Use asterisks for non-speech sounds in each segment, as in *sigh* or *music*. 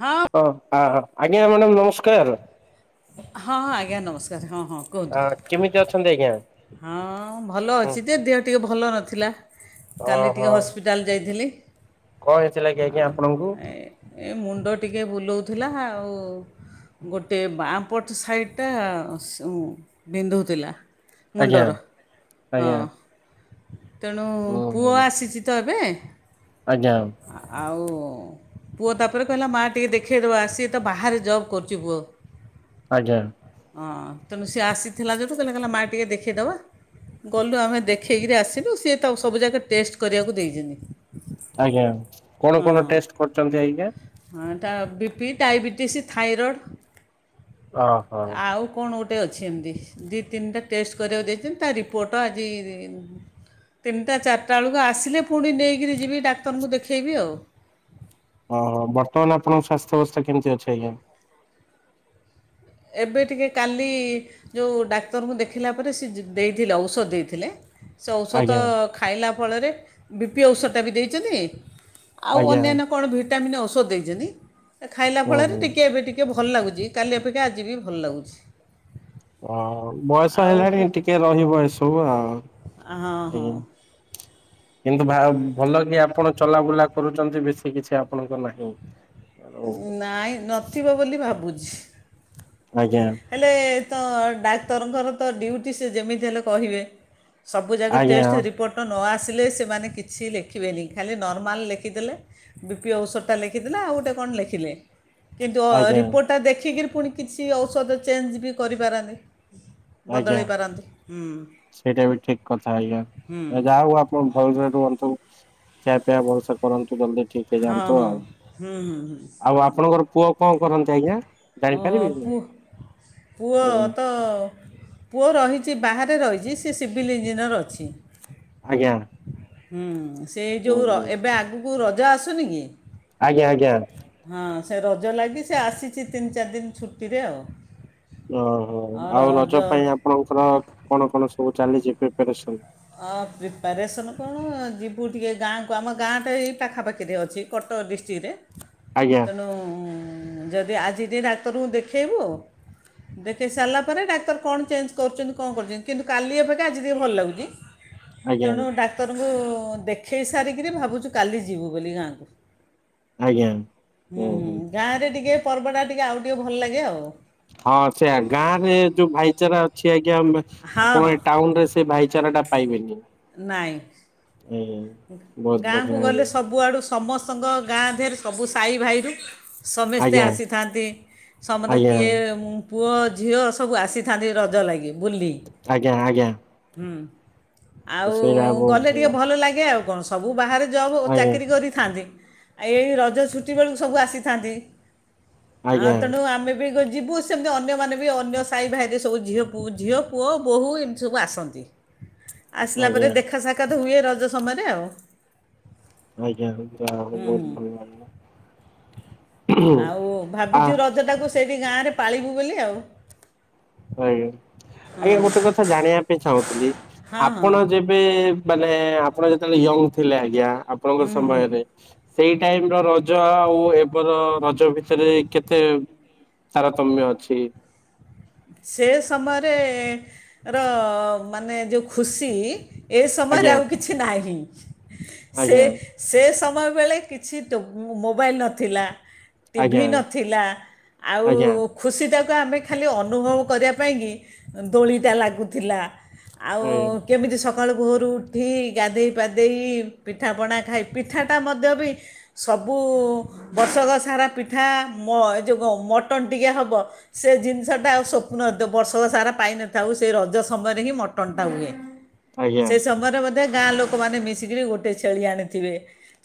ହ। ହଁ ଆ ଆଜ୍ଞା ମାଡ଼ାମ୍ ନମସ୍କାର। ହଁ ଆଜ୍ଞା ନମସ୍କାର ହଁ ହଁ। କୁହନ୍ତୁ ହଁ କେମିତି ଅଛନ୍ତି ଆଜ୍ଞା? ହଁ ଭଲ ହୁଁ ଅଛି ଯେ ଦେହ ଟିକେ ଭଲ ନଥିଲା କାଲି ଟିକେ ହସ୍ପି ଟାଲ୍ ଯାଇଥିଲି। କୁ ହେଇଥିଲା କି ଆଜ୍ଞା ଆପଣଙ୍କୁ? ଏଁ ମୁଣ୍ଡ ଟିକେ ବୁଲାଉଥୁଲା ଆଉ ଗୋଟେ ବାଁ ପଟ ସାଇଡ଼୍ ଟା ସୁ ବିନ୍ଧୁଥିଲା। ଆଜ୍ଞା ମୁଣ୍ଡର ହଁ। ଆଜ୍ଞା ତେଣୁ ପୁଅ ଓହୋ ଆସିଚି ତ ଏବେ। ଆଜ୍ଞା। ଆଉ ପୁଅ ତାପରେ କହିଲା ମା ଟିକେ ଦେଖାଇଦେବା ସିଏ ତ ବାହାରେ ଜବ୍ କରୁଚି ପୁଅ। ଆଜା। ହଁ ତେଣୁ ସିଏ ଆସିଥିଲା ଯୋଉଠୁ ତାେଲେ କଇଲା କଇଲା ମା ଟିକେ ଦେଖେଇଦବା। ଗଲୁ ଆମେ ଦେଖେଇକିରି ଆସିଲୁ ସିଏ ତ ସବୁ ଜାଗା ଟେଷ୍ଟ କରିବାକୁ ଦେଇଚନ୍ତି। ଆଜ୍ଞା କଣ କଣ ଟେଷ୍ଟ କରୁଚନ୍ତି ଆଜ୍ଞା? ହଁ ଟା ବି ପି ଡାଇବେଟିସ୍ ଥାଇରଡ଼୍। ଓହୋ ଆଉ କଣ ଗୋଟେ ଅଛି ଏମତି ଦି ତିନିଟା ଟେଷ୍ଟ କରିବାକୁ ଦେଇଚନ୍ତି ତା ରି ପୋଟ ଆଜି ତିନିଟା ଚାରିଟା ଅଳୁକୁ ଆସିଲେ ପୁଣି ନେଇକିରି ଯିବି। ଡାକ୍ତରଙ୍କୁ ଦେଖେଇବି ଆଉ। ଅହ ବର୍ତ୍ତମାନ ଆପଣଙ୍କ ସ୍ୱାସ୍ଥ୍ୟବସ୍ଥା କେମିତି ଅଛି ଆଜ୍ଞା? ଏବେ ଟିକେ କାଲି ଯୋଉ ଡାକ୍ତରଙ୍କୁ ଦେଖିଲା ପରେ ସି ଜି ଦେଇଥିଲେ ଔଷଧ ଦେଇଥିଲେ‌ ସେ ଔଷଧ ଆଜ୍ଞା ଖାଇଲା ଫଳରେ ବି ପି ଔଷଟା ବି ଦେଇଚନ୍ତି ଆଉ ଆଜ୍ଞା ଅନ୍ୟାନ୍ୟ କଣ ଭିଟାମିନ୍ ଔଷଧ ଦେଇଚନ୍ତି ଏ ଖାଇଲା ହୁଁ ଫଳରେ ହୁଁ ଟିକେ ଏବେ ଟିକେ ଭଲ ଲାଗୁଚି କାଲି ଏ ପେକ୍ଷା ଆଜିି ବି ଭଲ ଲାଗୁଛି। ଅ ଆଉ ବୟସ ଆଉ ପୁ ହେଲାଣି ଟିକେ ରହିବ ଏସବୁ ଆଉ ହଁ ହଁ ଆଜ୍ଞା। କିନ୍ତୁ ଭା ଭଲ କି ଆପଣ ଚଲାବୁଲା କରୁଚନ୍ତି ବେଶୀ କିଛି ଆପଣଙ୍କ ନାହିଁ। ନାଇଁ ନଥିବ ବୋଲି ଭାବୁଛି। ଆଜ୍ଞା। ହେଲେ ତ ଡାକ୍ତରଙ୍କର ତ ଡ୍ୟୁଟି ସେ ଯେମିତି ହେଲେ କହିବେ। ସବୁ ଯାକ ଆଜ୍ଞା ଟେଷ୍ଟ ରିପୋର୍ଟ ନ ଆସିଲେ ସେମାନେ କିଛି ଲେଖିବେନି ଖାଲି ନର୍ମାଲ୍ ଲେଖିଦେଲେ। ବି ପି ଔଷଟା ଲେଖିଦେଲା ଆଉ ଗୋଟେ କଣ ଲେଖିଲେ। କିନ୍ତୁ ଅ ଆଜ୍ଞା। ରିପୋର୍ଟଟା ଦେଖିକିରି ପୁଣି କିଛି ଔଷଧ ଚେଞ୍ଜ୍ ବି କରିପାରନ୍ତିି। ଆଜ୍ଞା ସେଇଟା ବି ଠିକ୍ କଥା ଆଜ୍ଞା ହୁଁ ଏ ଯାହା ହଉ ଆ ଉଁ ଭଲସେ ରୁହନ୍ତୁ ଖିଆ ପିଆ ଭଲସେ କରନ୍ତୁ ଜଲ୍ଦି ଠିକ୍ ହଁ ହଁ ହୁଁ ହୁଁ ହୁଁ ଆଉ ହୁଁ। ଆପଣଙ୍କର ପୁଅ କଁ କରନ୍ତି ଆଜ୍ଞା? ଜାଣିପାରିବି ଅଁ ପୁ ପୁଅ ଆଜ୍ଞା ତ ପୁଅ ରହିଚି ବାହାରେ ରହିଚି ସିଏ ସିଭିଲ୍ ଇଞ୍ଜିନିୟର ଅଛି। ଆଜ୍ଞା। ହୁଁ ସେ ହୁଁ ଯୋଉ ର ହୁଁ ଏବେ ଆଗୁକୁ ରଜ ଆସୁନି କି? ଆଜ୍ଞା ଆଜ୍ଞା। ହଁ ସେ ରଜ ଲାଗି ସେ ଆସିଛି ତିନି ଚାରି ଦିନ ଛୁଟିରେ ଆଉ। ଓହୋ ଆଉ ରଜ ପାଇଁ ଆପଣଙ୍କର କଣ କଣ ସବୁ ଚାଲିଛି ପ୍ରିପାରେସନ? ଅ ପ୍ରିପାରେସନ୍ କଣ ଯିବୁ ଟିକେ ଗାଁକୁ ଆମ ଗାଁଟା ଏଇ ପାଖାପାଖିରେ ଅଛି କଟକ ଡିଷ୍ଟ୍ରିକ୍ଟରେ। ଆଜ୍ଞା। ତ ଯଦି ଆଜି ଟିକେ ଡାକ୍ତରଙ୍କୁ ଦେଖେଇବୁ? ଦେଖଇ ସାରିଲା ପରେ ଡାକ୍ତର କଣ ଚେଞ୍ଜ କରୁଛନ୍ତି କଣ କରୁଛନ୍ତି କିନ୍ତୁ କାଲି ଏପାଖେ ଆଜି ଟିକେ ଭଲ ଲାଗୁଛି। ଆଜ୍ଞା ତେଣୁ ଡାକ୍ତରଙ୍କୁ ଦେଖେଇ ସାରିକିରି ଭାବୁଛୁ କାଲି ଯିବୁ ବୋଲି ଗାଁକୁ? ଆଜ୍ଞା। ହୁଁ ଗାଁ ରେ ଟିକେ ପର୍ବ ଟା ଟିକେ ଆଉ ଟିକେ ଭଲ ଲାଗେ ଆଉ। ହଁ ସେୟା ଗାଁ ରେ ଯୋଉ ଭାଇଚାରା ଅଛି ଆଜ୍ଞା ହଁ ଆପଣ ହଁ। ଏ ଟାଉନ ରେ ସେ ସେ ଭାଇଚାରା ଟା ପାଇବେନି। ନାଇଁ। ହୁଁ। ଗାଁକୁ ଗଲେ ସବୁଆଡୁ ସମସ୍ତଙ୍କ ଗାଁ ଦେହେରେ ସବୁ ସାହି ଭାଇରୁ ସମେସ୍ତେ ଆଜ୍ଞା ଆଜ୍ଞା। ଆସିଥାନ୍ତି। ସମସ୍ତେ ଆଜ୍ଞା। କିଏ ମୁଁ ପୁଅ ଝିଅ ସବୁ ଆସିଥାନ୍ତି ରଜ ଲାଗି ବୁଲି ଆଜ୍ଞା ଆଜ୍ଞା ହୁଁ। ତ ଆଉ ସେଇଟା ବହୁତ ଗଲେ ଟିକେ ଭଲ ଲାଗେ। ଇଏ ଆଉ କଣ ସବୁ ବାହାରେ ଜବ୍ ଓ ଆଜ୍ଞା ଚାକିରୀ କରିଥାନ୍ତି? ଆ ଏଇ ରଜ ଛୁଟି ବେଳୁକୁ ସବୁ ଆସିଥାନ୍ତି। ଆଉ ଆଜ୍ଞା ତେଣୁ ଆମେ ବି ଗ୍ ଯିବୁ ସେ ସେମିତି ଅନ୍ୟ ମାନେ ବି ଅନ୍ୟ ସାହି ଭାଇରେ ସବୁ ଝିଅ ପୁ ଝିଅ ପୁଅ ବୋହୂ ଏମିତି ସବୁ ଆସନ୍ତି। ଆସିଲା ଆଜ୍ଞା। ପରେ ଦେଖା ସାକ୍ଷାତ ହୁଏ ରଜ ସମୟରେ ଆଉ। ଆଜ୍ଞା। ଯାହା ହଉ ଆଉ ହୁଁ ବହୁତ୍ ହୁଁ ଭଲ ଲାଗିଲା। ଆଉ ଆ ଭାବିଚୁ ରଜ ଟାକୁ ସେଇଠି ଗାଁରେ ପାଳିବୁ ବୋଲି ଆଉ। ଆଜ୍ଞା। ଆଜ୍ଞା ଗୋଟେ କଥା ଜାଣିବା ପାଇଁ ଚାହୁଁଥିଲି। ହଁ ହଁ ଆପଣ ଯେମ ଏବେ ମାନେ ଆପଣ ଯେତେବେଳେ ୟଙ୍ଗ ଥିଲେ। ଆଜ୍ଞା ଆପଣଙ୍କ ସମୟରେ ସେଇ ଟାଇମ୍ ର ରଜ ଆଉ ଏବର ରଜ ଭିତରେ କେତେ ତାରତମ୍ୟ ଅଛି? ସେ ସମୟରେ ର ମାନେ ଯୋଉ ଖୁସି ଏ ସମୟରେ ଆଜ୍ଞା ଆଉ କିଛି ନାହିଁ। ସେ ଆଜ୍ଞା ସେ ସମୟ ବେଳେ କିଛି ତୋ ମୋବାଇଲ୍ ନଥିଲା। ଟିଭି ଆଜ୍ଞା ନଥିଲା। ଆଉ ଆଜ୍ଞା ଖୁସିଟାକୁ ଆମେ ଖାଲି ଅନୁ ଅନୁଭବ କରିବା ପାଇଁ କି ଦୋଳିଟା ଲାଗୁଥିଲା। ଆଉ ଆଜ୍ଞା କେମିତି ସକାଳୁ ଭୋର୍ ରୁ ଉଠିକି ଗାଧେଇ ପାଧେଇ ପିଠା ପଣା ଖାଇ। ପିଠାଟା ମଧ୍ୟ ବି ସବୁ ବର୍ଷକ ସାରା ପିଠା ମ୍ ଏ ଯୋଉ ମଟନ୍ ଟିକେ ହବ। ସେ ଜିନିଷ ଟା ସ୍ୱପ୍ନ ଥିବ। ବର୍ଷକ ସାରା ପାଇ ନଥାଉ ସେ ରଜ ସମୟରେ ହିଁ ମଟନ୍ ଟା ହୁଏ। ଆଜ୍ଞା ସେ ସମୟରେ ମଧ୍ୟ ଗାଁ ଲୋକମାନେ ମିଶିକିରି ଗୋଟେ ଛେଳି ଆଣିଥିବେ।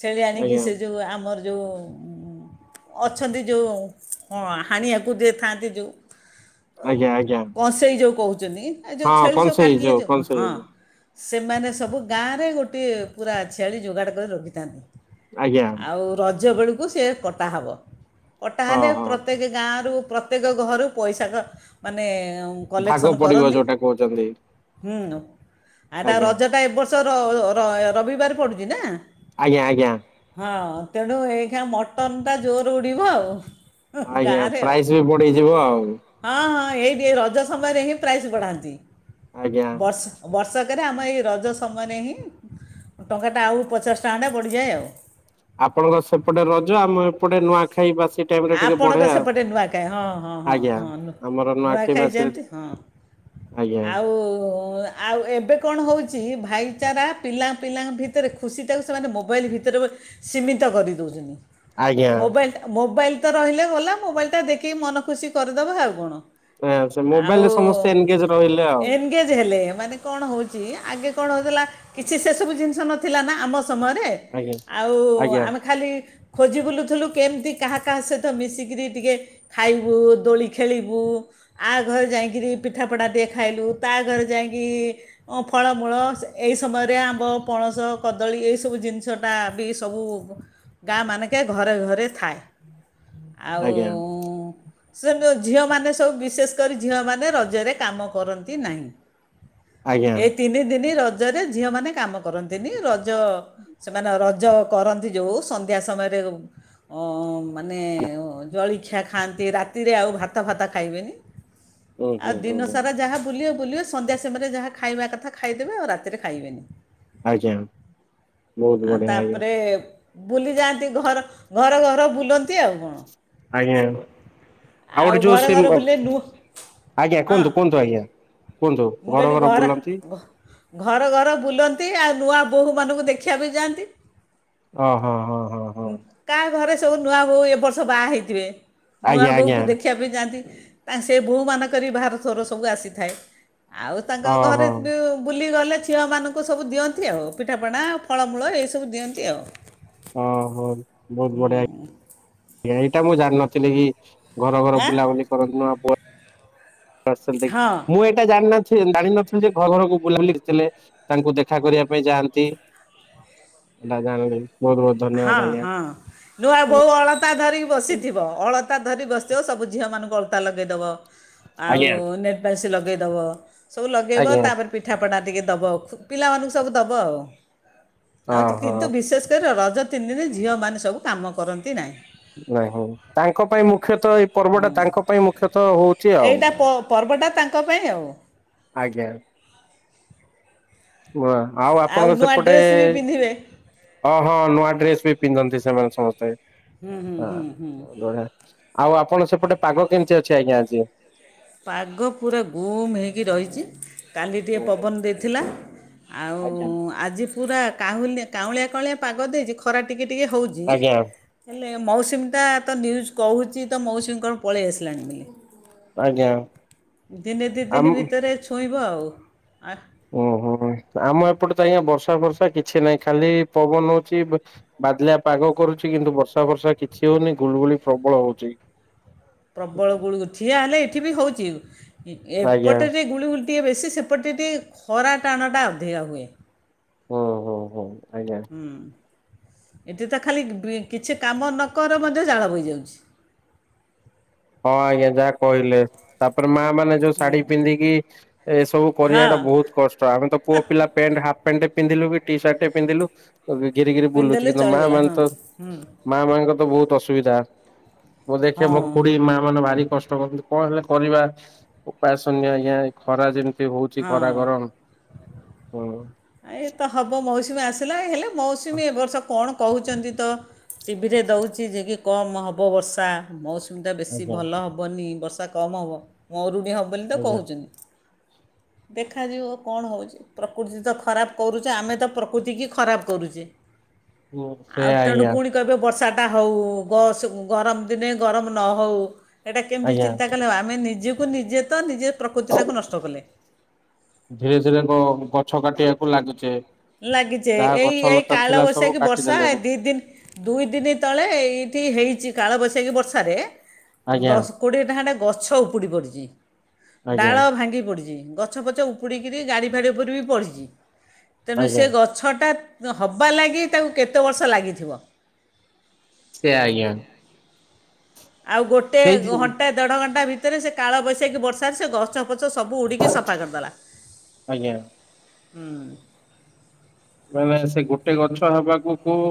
ଛେଳି ଆଣିକି ଆଜ୍ଞା ସେ ଯୋଉ ଆମର ଯୋଉ ଅଛନ୍ତି ଯୋଉ ହଁ ହାଣିିବାକୁ ଯିଏ ଥାଆନ୍ତି ଯୋଉ ଆଜ୍ଞା ଆଜ୍ଞା କଂସେଇ ଯୋଉ କହୁଛନ୍ତି। ଏ ଯୋଉ ହଁ ଛେଳି କଣ ସବୁ ସେଇ କାଟିଲେ କଣ ଯୋଉ ସେଇ ହଁ। ସେମାନେ ସବୁ ଗାଁରେ ଗୋଟିଏ ପୁରା ଛେଳି ଯୋଗାଡ଼ କରି ରଖିଥାନ୍ତି। ଆଜ୍ଞା ଆଉ ରଜ ବେଳୁକୁ ସେ କଟା ହେବ। କଟା ହଁ ହେଲେ। ହଁ ପ୍ରତ୍ୟେକେ ଗାଁରୁ ପ୍ରତ୍ୟେକ ଘରୁ ପଇସା କ୍ ମାନେ ଭାଗ କଲେକ୍ସନ୍ ପଡ଼ିବ କରନ୍ତି ଯୋଉଟା କହୁଚନ୍ତି। ହୁଁ। ଆଉ ତା ରଜଟା ଏବର୍ଷ ର ର ର୍ ରବିବାରେ ପଡ଼ୁଛି ନା? ଆଜ୍ଞା ଆଜ୍ଞା। ହଁ ତେଣୁ ହେଇ କିନା ମଟନ୍ ଟା ଜୋରେ ବଡ଼ିବ ଆଉ। ଆଜ୍ଞା। ଗାଁରେ ଆଉ ପ୍ରାଇଜ୍ ବି ବଢ଼ିଯିବ ଆଉ। ହଁ ହଁ ହେଇଟି ଏଇ ରଜ ସମୟରେ ହିଁ ପ୍ରାଇଜ୍ ବଢ଼ାନ୍ତି। ଆଜ୍ଞା ବର୍ଷ ବର୍ଷକରେ ଆମ ଏଇ ରଜ ସମୟରେ ହିଁ ଟଙ୍କାଟା ଆଉ ପଚାଶ ଟଙ୍କା ଟା ବଢ଼ିଯାଏ ଆଉ। ଆପଣଙ୍କ ସେପଟେ ରଜ। ଆମ ଏପଟେ ନୂଆ ଖାଇ ବସି ଆପଣଙ୍କ ସେପଟେ ନୂଆଖାଇ। ହଁ ହଁ ହଁ ଆଜ୍ଞା ହଁ ନୂଆ ଆମର ନୂଆଖାଇ ବାସିରେ ଯେମିତି ହଁ। ଆଜ୍ଞା ଆଉ ଆ ଆଉ ଏବେ କଣ ହୋଉଛି ଭାଇଚାରା ପିଲାଙ୍କ ପିଲାଙ୍କ ଭିତେରେ ଖୁସିଟାକୁ ସେମାନେ ମୋବାଇଲ୍ ଭିତରେ ବୋଧେ ସୀମିତ କରି ଦୋଉଚନ୍ତି। ଆଜ୍ଞା ମୋବାଇଲ୍ ଟା ମୋବାଇଲ୍ ତ ରହିଲେ ଗଲା। ମୋବାଇଲ୍ ଟା ଦେଖିକି ମନ ଖୁସି କରି ଦବା ଆଉ କଣ? ହଁ, ସେ ଆଉ ମୋବାଇଲରେ ସମସ୍ତେ ଏନଗେଜ ରହିଲେ ଆଉ ଏନଗେଜ୍ ହେଲେ ମାନେ କଣ ହୋଉଚି ଆଗେ କଣ ହୋଉଥିଲା କିଛି ସେ ସବୁ ଜିନିଷ ନଥିଲା ନା? ଆମ ସମୟରେ ଆଜ୍ଞା ଆଉ ଆଜ୍ଞା ଆମେ ଖାଲି ଖୋଜି ବୁଲୁଥୁଲୁ କେମତି କାହା ସହିତ ମିଶିକିରି ଟିକେ ଖାଇବୁ ଦୋଳି ଖେଳିବୁ। ଆ ଘରେ ଯାଇଁକିରି ପିଠା ପଣା ଟିକେ ଖାଇଲୁ। ତା ଘରେ ଯାଇକି ହଁ ଫଳମୂଳ ସେ ଏଇ ସମୟରେ ଆମ୍ବ ପଣସ କଦଳୀ ଏଇ ସବୁ ଜିନିଷଟା ବି ସବୁ ଗାଁ ମାନେକେ ଘରେ ଘରେ ଥାଏ। ଆଉ ଆଜ୍ଞା ସେ ଯୋଉ ଝିଅମାନେ ସବୁ ବିଶେଷ କରି ଝିଅମାନେ ରଜରେ କାମ କରନ୍ତି ନାହିଁ। ଆଜ୍ଞା ଏଇ ତିନି ଦିନି ରଜରେ ଝିଅ ମାନେ କାମ କ କରନ୍ତିନି ରଜ ସେମାନେ ରଜ କରନ୍ତି ଯେଉଁ ସନ୍ଧ୍ୟା ସମୟରେ ଅଁ ମାନେ ଜଳଖିଆ ଖାଆନ୍ତି ରାତିରେ ଆଉ ଭାତ ଫାତ ଖାଇବେନି। ହୁଁ ଆଉ ହୁଁ ହୁଁ ଦିନ ହୁଁ ସାରା ଯାହା ବୁଲିବେ ବୁଲିବେ ସନ୍ଧ୍ୟା ସମୟରେ ଯାହା ଖାଇବା କଥା ଖାଇଦେବେ ଆଉ ରାତିରେ ଖାଇବେନି। ଆଜ୍ଞା ବହୁତ ଆ ବଢିଆ ଆଜ୍ଞା ତାପରେ ବୁଲିଯାଆନ୍ତି ଘର ଘର ଘର ବୁଲନ୍ତି ଆଉ କଣ। ଆଜ୍ଞା ଆଉ ଆଉ ଗୋଟେ ଯୋଉ ଘର ସେ ଘର ବୁଲିଲେ ନୂଆ ଆଜ୍ଞା କୁହନ୍ତୁ ହଁ କୁହନ୍ତୁ ଆଜ୍ଞା କୁହନ୍ତୁ ମୁଁ ଘର କହିଲି ଘର ବୁଲନ୍ତି। ଘ- ଘର ଘର ବୁଲନ୍ତି ଆଉ ନୂଆ ବୋହୂମାନଙ୍କୁ ଦେଖିବାକୁ ଯାଆନ୍ତି। ହଁ ହଁ ହଁ ହଁ ହଁ। କାହା ଘରେ ସବୁ ନୂଆ ବୋହୁ ଏ ବର୍ଷ ବାହା ହେଇଥିବେ ନୂଆ ଆଜ୍ଞା ଆଜ୍ଞା ବୋହୂକୁ ଦେଖି ଖିବା ପାଇଁ ଯାଆନ୍ତି ତାଙ୍କ ସେ ବୋଉମାନଙ୍କର ଭି ଭାର ଥୋର ସବୁ ଆସିଥାଏ। ଆଉ ତାଙ୍କ ଓହୋ ଘରେ ଦୁ ବୁଲିଗଲେ ଝିଅମାନଙ୍କୁ ସବୁ ଦିଅନ୍ତି ଆଉ। ପିଠାପଣା ଫଳମୂଳ ଏଇସବୁ ଦିଅନ୍ତି ଆଉ। ହଁ ହଁ ବହୁତ ବଢିଆ। ଏଇଟା ମୁଁ ଜାଣିନଥିଲି କି ଘର ଘର ହାଁ ବୁଲାବୁଲି କରନ୍ତି ନୂଆ ଆସନ୍ତି ହଁ ମୁଁ ଏଇଟା ଜାଣିନ ଜାଣିନଥିଲି ଯେ ଘର ଘରକୁ ବୁଲାବୁଲି କରିଥିଲେ ତାଙ୍କୁ ଦେଖା କରିବା ପାଇଁ ଯାଆନ୍ତି। ଦାଦା ଙ୍କ ଘରୁ। *unintelligible* ହଁ ହଁ ନୂଆ ବୋହୁ ଅଳତା ଧରିକି ବସିଥିବ ଅଳ ତା ଧରିକି ବସିଥିବ ସବୁ ଝିଅ ମାନଙ୍କୁ ଅଳତା ଲଗେଇଦବ ଆଉ ଆଜ୍ଞା। ନେଲ ପାଲିସୀ ଲଗେଇଦବ। ସବୁ ଲଗେଇବ ଆଜ୍ଞା ତାପରେ ପିଠାପଣା ଟିକେ ଦବ ଆଉ ପିଲାମାନଙ୍କୁ ସବୁ ଦବ ଆଉ। ଆଉ ଓହୋ କିନ୍ତୁ ବିଶେଷ କରି ରଜ ତିନି ଦିନ ଝିଅମାନେ ସବୁ କାମ କରନ୍ତି ନାହିଁ। ନାଇଁଁ ତାଙ୍କ ପାଇଁ ମୁଖ୍ୟତଃ ପର୍ବଟା ତାଙ୍କ ପାଇଁ ମୁଖ୍ୟତଃ ହଉଛି ଆଉ ଏଇଟା ପର୍ବଟା ତାଙ୍କ ପାଇଁ ଆଉ ଆଜ୍ଞା। ଆ ଆଉ ଆପଣଙ୍କ ନୂଆ ସେପଟେ ଡ୍ରେସ୍ ବି ପିନ୍ଧିବେ ହଁ ହଁ ନୂଆ ଡ୍ରେସ ବି ପିନ୍ଧନ୍ତି ସେମାନେ ସମସ୍ତେ। ହୁଁ ହୁଁ ହୁଁ ହଁ ଢଆ ଆଉ ଆପଣଙ୍କ ସେପଟେ ପାଗ କେମିତି ଅଛି ଆଜ୍ଞା ଆଜି? ପାଗ ପୁରା ଗୁମ୍ ହେଇକି ରହିଛି। କାଲି ଟିକିଏ ଓହୋ ପବନ ଦେଇଥିଲା ଆଉ ଆଜ୍ଞା। ଆଜି ପୁରା କାହୁଲି କାଉଁଳିଆ କାଉଁଳିଆ ପାଗ ଦେଇଛି ଖରା ଟିକେ ଟିକେ ହେଉଛି। ଆଜ୍ଞା ହେଲେ ମୌସୁମୀଟା ତ ନ୍ୟୁଜ୍ କହୁଛି ତ ମୌସୁମୀ କଣ ପଳେଇ ଆସିଲାଣି ବୋଲି। ଆଜ୍ଞା। ଦିନେ ଦୁଇ ଆମ ଦିନ ଭିତରେ ଛୁଇଁବ ଆଉ ଆ ଓହୋ ଆମ ଏପଟେ ତ ଆଜ୍ଞା ବର୍ଷା ଫର୍ଷା କିଛି ନାହିଁ ଖାଲି ପବନ ହଉଛି ବ ବାଦଲିଆ ପାଗ କରୁଛି କିନ୍ତୁ ବର୍ଷା ଫର୍ଷା କିଛି ହଉନି ଗୁଳିଗୁଳି ପ୍ରବଳ ହଉଛି। ପ୍ରବଳ ଗୁଳକୁ ଠିଆ ହେଲେ ଏଠି ବି ହଉଛି ଆଜ୍ଞା ଏପଟେ ଯେ ଗୁଳିୁଗୁଳି ଟିକିଏ ବେଶୀ ସେପଟେ ଟିକେ ଖରା ଟାଣଟା ଅଧିକା ହୁଏ। ହୁଁ ହୁଁ ହୁଁ ଆଜ୍ଞା। ହୁଁ ଏଠେ ତ ଖାଲି ବି କିଛି କାମ ନକର ମଧ୍ୟ ଝାଳ ବୋହିଯାଉଛି। ହଁ ଆଜ୍ଞା ଯାହା କହିଲେ ତାପରେ ମା ମାନେ ଯୋଉ ଶାଢୀ ପିନ୍ଧିକି ଏସବୁ କରିବା ଟା ହଁ ବହୁତ କଷ୍ଟ। ତ ଆମେ ତ ପୁଅ ପିଲା ପ୍ୟାଣ୍ଟ ହାଫ ପ୍ୟାଣ୍ଟ ପିନ୍ଧିଲୁ ଟି ସାର୍ଟ ପିନ୍ଧିଲୁ *unintelligible* ଘିରି ଘିରି ବୁଲୁଚୁ ପିନ୍ଧିଦେଲେ କିନ୍ତୁ ମା ଚଳିଗଲା ମାନେ ହଁ ତ ହୁଁ ମା ମାନଙ୍କ ତ ବହୁତ ଅସୁବିଧା ମୁଁ ଦେଖେ ହଁ ମୋ ଖୁଡି ମା ମାନେ ଭାରି କଷ୍ଟ କରୁଛନ୍ତି କଣ ହେଲେ କରିବା ଉପାୟ ଶୂନ୍ୟ ୟା ଖରା ଯେ ସେ ହଉଛି ଖରା ଗରମ ହଁ ହୁଁ। ଏ ତ ହବ ମୌସୁମୀ ଆସିଲା ହେଲେ ମୌସୁମୀ ଏ ବର୍ଷ କଣ? କହୁଛନ୍ତି ତ ଟିଭିରେ ଦଉଚି ଯେ କି କମ୍ ହବ ବର୍ଷା ମଉସୁ ମୀ ବେଶୀ ଆଜ୍ଞା ଭଲ ହେବନି। ବର୍ଷା କମ୍ ହେବ ମରୁଡି ହେବ ବୋଲି ତ ଆଜ୍ଞା କହୁଛନ୍ତି। ଦେଖାଯିବ କଣ ହଉଚି। ପ୍ରକୃତି ତ ଖରାପ କରୁଚି ଆମେ ତ ପ୍ରକୃତି କି ଖରାପ କରୁଚେ। ଆଉ ସେଇଆ ତେଣୁ ଆଜ୍ଞା ପୁଣି କହିବେ ବର୍ଷା ହଉ ଗ ସ ଗରମ ଦିନେ ଗରମ ନ ହଉ। ଏଇଟା କେମିତି ଆଜ୍ଞା ଚିନ୍ତା କଲେ ହେବ। ଆମେ ନିଜେକୁ ନିଜେ ତ ନିଜେ ପ୍ରକୃତିଟାକୁ ନଷ୍ଟ କଲେ। ଧୀରେ ଧୀରେ ଇ ଗଛ କାଟିବାକୁ ଲାଗିଚେ। ଲାଗିଯାଏ ଏଇ ଏଇ କାଳ ବୈଶାଖୀ ବର୍ଷା ଏ କାଟିଦେଲେଣି ଦି ଦିନ୍ ଦୁଇ ଦିନି ତଳେ ଏଇଠି ହେଇଛି କାଳବୈଶାଖୀ ବର୍ଷାରେ ଆଜ୍ଞା ଦଶ କୋଡ଼ିଏ ଟା ଖାଣ୍ଡେ ଗଛ ଉପୁଡ଼ି ପଡ଼ିଛି ଆଜ୍ଞା ଡାଳ ଭାଙ୍ଗି ପଡ଼ିଛି। ଗ ଗଛ ପଛ ଉପୁଡ଼ିକିରି ଗାଡ଼ି ଫାଡ଼ି ଉପରେ ବି ପଡ଼ିିଛି। ତେଣୁ ସେ ଆଜ୍ଞା ଗଛଟା ତ ହବା ଲାଗି ତାକୁ କେତେ ବର୍ଷ ଲାଗିଥିବ। ସେ ଆଜ୍ଞା। ଆଉ ଗୋଟେ ସେଇ ଜି ଘଣ୍ଟା, ଦେଢ ଘଣ୍ଟା ଭିତରେ ସେ କାଳବୈଶାଖୀ ବର୍ଷାରେ ସେ ଗଛ ଫଛ ସବୁ ଉଡ଼ିକି କି ସଫା କରିଦେଲା ଆଜ୍ଞା ହୁଁ। ମାନେ ସେ ଗୋଟେ ଗଛ ହବାକୁ କୋଉ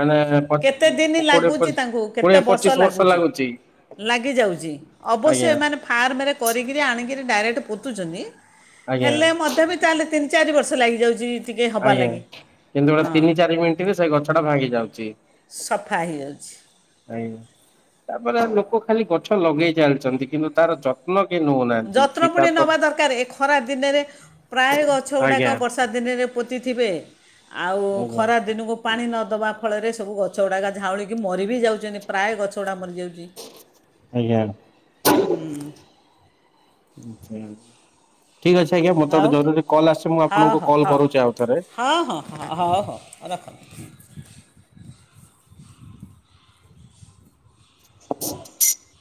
ମାନେ ପ କେତେ ଦିନି କୋଡିଏ ଲାଗୁଛି ପଚିଶ ତାଙ୍କୁ କୋଡିଏ କେତେ ପଚିଶ ବର୍ଷ ଲାଗୁଚି। ଲାଗୁଛି ଲାଗିଯାଉଛି ଅବଶ୍ୟ ଆଜ୍ଞା ଏମାନେ ଫାର୍ମରେ କରୀକିରୀ ଆଣିକିରି ଡାଇରେକ୍ଟ ପୋତୁଛନ୍ତି। ଆଜ୍ଞା ହେଲେ ମଧ୍ଯ ବି ତାହେଲେ ତିନି ଚାରି ବର୍ଷ ଲାଗିଯାଉଛି। ଟିକେ ହେବା ଆଜ୍ଞା ଲାଗି କିନ୍ତୁ ଗୋ ହଁ ତିନି ଚାରି ମିନିଟ ରେ ସେ ଗଛ ଟା ଭାଙ୍ଗି ଯାଉଛି। ସଫା ହେଇଯାଉଛି। ଆଜ୍ଞା ତାପରେ ଲୋକ ଖାଲି ଗଛ ଲଗେଇ ଚାଲିଛନ୍ତି। କିନ୍ତୁ ତାର ଯତ୍ନ ତ୍ନ କେହି ନେଉନାହିଁ। ଯତ୍ନ ପୁଣି ନବା ଦରକାର, ଏ ଖରାପ ଦିନରେ ପ୍ରାୟ ଗଛ ଆଜ୍ଞା ଗୁଡାକ ବର୍ଷା ର୍ଷା ଦିନରେ ପୋତି ଥିବେ ଆଉ ଆଜ୍ଞା ଖରା ଦିନକୁ ପାଣି ନ ଦବା ଫଳରେ ସବୁ ଗଛ ଗୁଡ଼ାକ ଝାଉଁଳିକି ମରି ବି ଯାଉଛନ୍ତି, ପ୍ରାୟ ଗଛଗୁଡ଼ା ମରିଯାଉଛି। ଆଜ୍ଞା। ହୁଁ। ଆଚ୍ଛା ଠିକ୍ ଅଛି ଆଜ୍ଞା, ମୋତେ ଗୋଟେ ଆଉ ଜରୁରୀ କଲ୍ ଆସୁଛି ମୁଁ ହଉ ଆପଣଙ୍କୁ କଲ୍ ହଉ କରୁଛି ଆଉଥରେ। ହଁ ହଁ ହଁ ହଉ ହଉ ରଖ ରଖ। *inaudible*